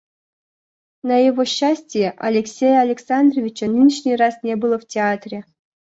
На его счастие, Алексея Александровича нынешний раз не было в театре.